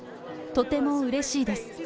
とてもうれしいです。